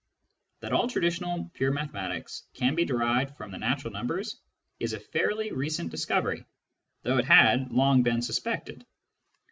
That all traditional pure mathematics can be derived from the natural numbers is a fairly recent discovery, though it had long been suspected.